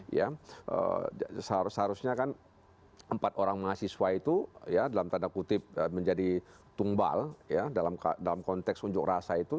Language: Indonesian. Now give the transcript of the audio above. ya seharusnya kan empat orang mahasiswa itu ya dalam tanda kutip menjadi tumbal ya dalam konteks unjuk rasa itu